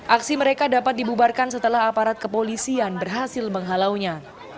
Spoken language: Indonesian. aksi mereka dapat dibubarkan setelah aparat kepolisian berhasil menghalaunya